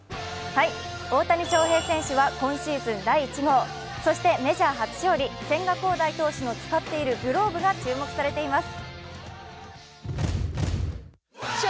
大谷翔平選手は今シーズン第１号、そしてメジャー初勝利、千賀滉大選手の使っているグローブが注目されています。